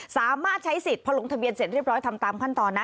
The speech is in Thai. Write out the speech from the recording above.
สามารถใช้สิทธิ์พอลงทะเบียนเสร็จเรียบร้อยทำตามขั้นตอนนะ